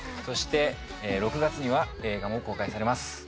そして６月には映画も公開されます。